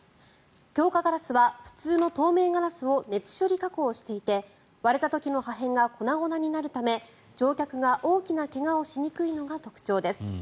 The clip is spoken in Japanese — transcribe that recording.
強化ガラスは普通の透明ガラスを熱処理加工していて割れた時の破片が粉々になるため乗客が大きな怪我をしにくいのが特徴です。